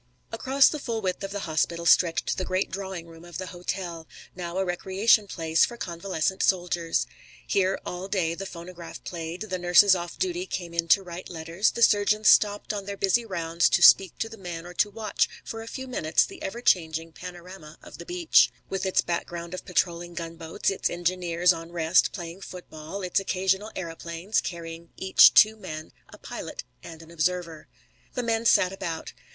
Across the full width of the hospital stretched the great drawing room of the hotel, now a recreation place for convalescent soldiers. Here all day the phonograph played, the nurses off duty came in to write letters, the surgeons stopped on their busy rounds to speak to the men or to watch for a few minutes the ever changing panorama of the beach, with its background of patrolling gunboats, its engineers on rest playing football, its occasional aëroplanes, carrying each two men a pilot and an observer. The men sat about.